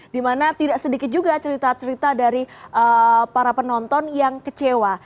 dimana tidak sedikit juga cerita cerita dari para penonton yang kecewa